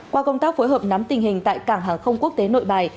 qua công tác phối hợp nắm tình hình tại cảng hàng không quốc tế nội bài